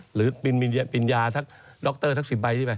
หรือปินยาด็อกเตอร์ทั้ง๑๐ใบ